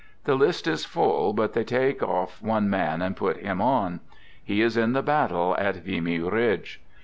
The list is full, but they take off one man and put him on. He is in the battle at Vimy Ridge.